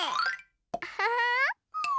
アハハー！